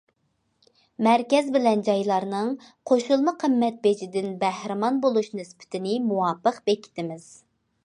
مەركەز بىلەن جايلارنىڭ قوشۇلما قىممەت بېجىدىن بەھرىمەن بولۇش نىسبىتىنى مۇۋاپىق بېكىتىمىز.